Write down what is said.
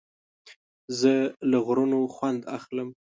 زه له غرونو خوند اخلم.